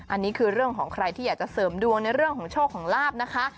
อันนี้คือเรื่องของใครที่อยากจะเสริมดวงในเรื่องของโชคของลาบนะคะ